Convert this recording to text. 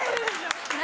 何？